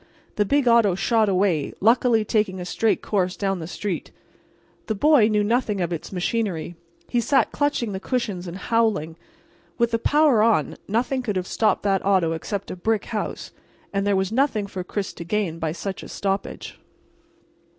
The big auto shot away, luckily taking a straight course down the street. The boy knew nothing of its machinery; he sat clutching the cushions and howling. With the power on nothing could have stopped that auto except a brick house, and there was nothing for Chris to gain by such a stoppage.